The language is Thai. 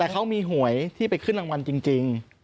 แต่เขามีหวยที่ไปขึ้นรางวัลจริง